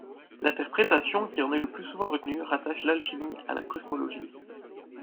L’interprétation qui en est le plus souvent retenue rattache l’alchimie à la cosmologie.